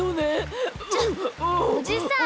ちょっおじさん